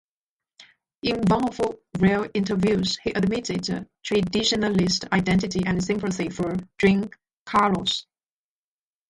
In one of rare interviews he admitted Traditionalist identity and sympathy for Juan Carlos.